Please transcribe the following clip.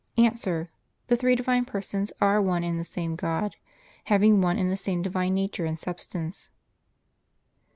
A. The three Divine Persons are one and the same God, having one and the same Divine nature and substance.